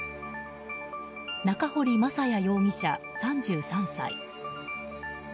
中堀正也容疑者、３３歳。